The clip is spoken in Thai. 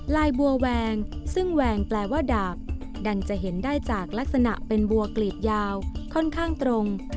ลายบัวแวงซึ่งแวงแปลว่าดาบดังจะเห็นได้จากลักษณะเป็นบัวกลีดยาวค่อนข้างตรง